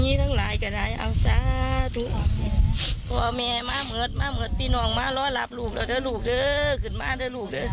น้องานไรขวาเมยมาหมดปีนองมาล้อลับลูกจะลุงเด้อ